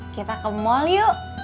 kita ke mall yuk